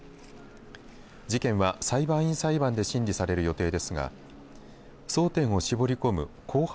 事件は裁判員裁判で審理される予定ですが争点を絞り込む公判